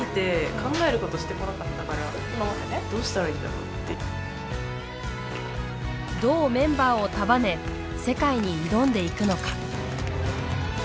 増えすぎてどうメンバーを束ね世界に挑んでいくのか。